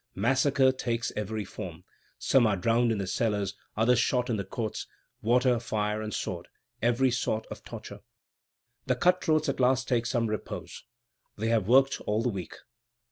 Massacre takes every form; some are drowned in the cellars, others shot in the courts. Water, fire, and sword, every sort of torture. The cut throats can at last take some repose. They have worked all the week.